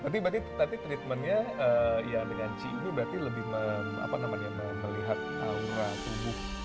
tapi berarti treatmentnya ya dengan qi itu berarti lebih melihat aura tubuh